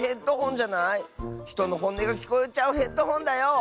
ひとのほんねがきこえちゃうヘッドホンだよ！